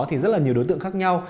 thì rất là nhiều đối tượng khác nhau